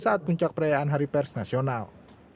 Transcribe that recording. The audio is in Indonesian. saat puncak perayaan hari pers nasional